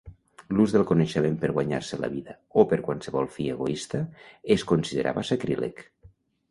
L'ús del coneixement per guanyar-se la vida o per a qualsevol fi egoista es considerava sacríleg.